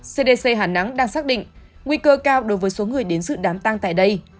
cdc hàn nắng đang xác định nguy cơ cao đối với số người đến dự đám tang tại đây